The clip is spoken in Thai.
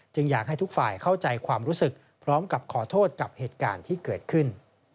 อยากให้ทุกฝ่ายเข้าใจความรู้สึกพร้อมกับขอโทษกับเหตุการณ์ที่เกิดขึ้น